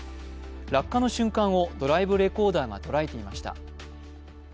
落下の瞬間をドライブレコーダーが捉えていました。